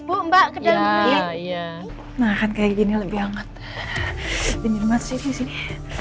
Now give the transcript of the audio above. ya ya nah kayak gini lebih hangat bener bener sini sini